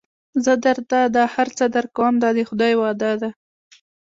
زه درته دا هر څه درکوم دا د خدای وعده ده.